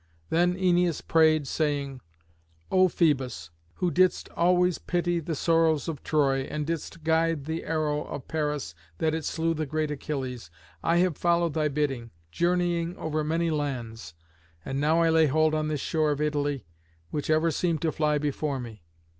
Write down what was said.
Then Æneas prayed, saying, "O Phœbus, who didst always pity the sorrows of Troy, and didst guide the arrow of Paris that it slew the great Achilles, I have followed thy bidding, journeying over many lands, and now I lay hold on this shore of Italy, which ever seemed to fly before me.